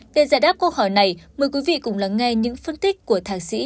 để giải đáp câu hỏi này mời quý vị cùng lắng nghe những phân tích của thạc sĩ